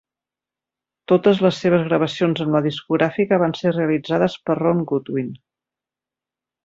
Totes les seves gravacions amb la discogràfica van ser realitzades per Ron Goodwin.